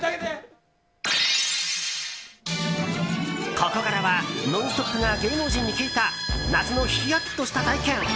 ここからは「ノンストップ！」が芸能人に聞いた夏のヒヤッとした体験。